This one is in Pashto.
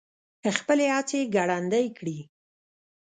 خپلې هڅې ګړندۍ کړي.